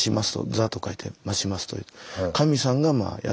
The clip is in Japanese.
座と書いてましますという。